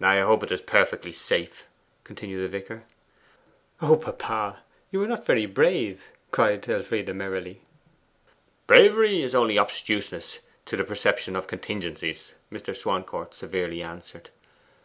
'I hope it is perfectly safe,' continued the vicar. 'O papa! you are not very brave,' cried Elfride merrily. 'Bravery is only obtuseness to the perception of contingencies,' Mr. Swancourt severely answered. Mrs.